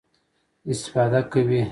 استفاده کوي.